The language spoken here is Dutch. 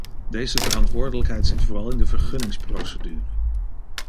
Deze verantwoordelijkheid zit vooral in de vergunningsprocedure.